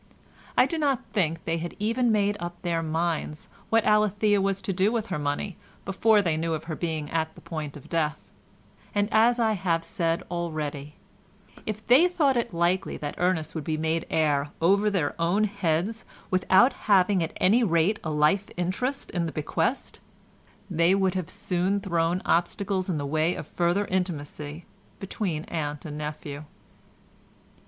I do not think they had even made up their minds what Alethea was to do with her money before they knew of her being at the point of death, and as I have said already, if they had thought it likely that Ernest would be made heir over their own heads without their having at any rate a life interest in the bequest, they would have soon thrown obstacles in the way of further intimacy between aunt and nephew.